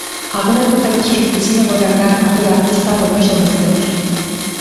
Agora tócalles aos que quixeron gobernar a toda custa poñer solucións.